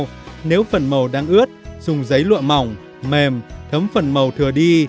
bước năm nếu phần màu đang ướt dùng giấy lụa mỏng mềm thấm phần màu thừa đi